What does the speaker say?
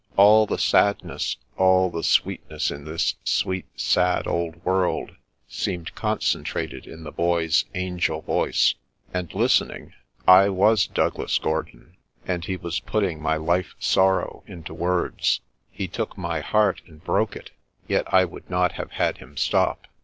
All the sadness, all the sweetness in this sweet, sad, old world seemed concentrated in the Boy's angel voice, and listening, I was Douglas Gordon, and he was putting my life sorrow into words. He took my heart and broke it, yet I would not have had him stop.